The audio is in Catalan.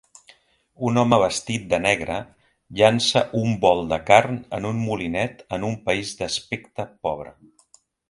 Un home vestit de negre llança un bol de carn en un molinet en un país d'aspecte pobre.